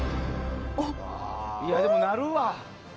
いや、でもなるわ。